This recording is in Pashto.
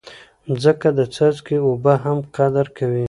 مځکه د څاڅکي اوبه هم قدر کوي.